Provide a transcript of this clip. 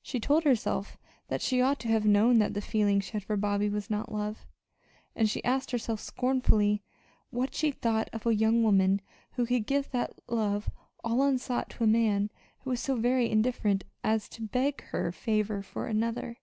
She told herself that she ought to have known that the feeling she had for Bobby was not love and she asked herself scornfully what she thought of a young woman who could give that love all unsought to a man who was so very indifferent as to beg her favor for another!